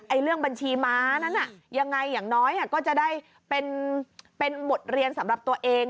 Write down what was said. เรื่องบัญชีม้านั้นยังไงอย่างน้อยก็จะได้เป็นบทเรียนสำหรับตัวเอง